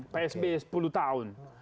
psb sepuluh tahun